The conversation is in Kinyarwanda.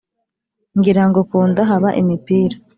ngira ngo ku nda haba imipira!